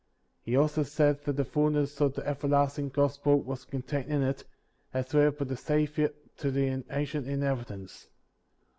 He also said that the fulness of the everlasting Gospel was contained in it, as delivered by the Savior to the ancient inhabitants ; 35.